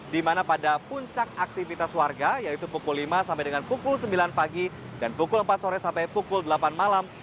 di mana pada puncak aktivitas warga yaitu pukul lima sampai dengan pukul sembilan pagi dan pukul empat sore sampai pukul delapan malam